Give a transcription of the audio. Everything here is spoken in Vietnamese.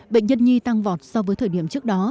bệnh nhân nhi tăng vọt so với thời điểm trước đó